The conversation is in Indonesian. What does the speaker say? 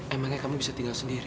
emangnya kamu bisa tinggal sendiri